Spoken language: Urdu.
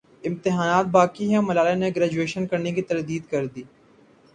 امتحانات باقی ہیں ملالہ نے گریجویشن کرنے کی تردید کردی